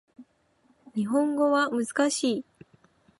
日本語は難しい